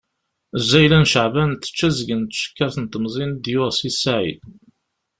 Zzayla n Ceɛban, tečča azgen n tcekkaṛt n temẓin i d-yuɣ Si Saɛid.